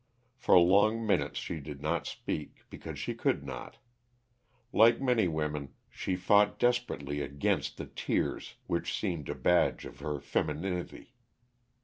For long minutes she did not speak, because she could not. Like many women, she fought desperately against the tears which seemed a badge of her femininity.